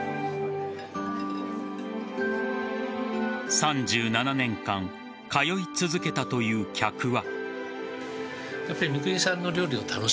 ３７年間、通い続けたという客は。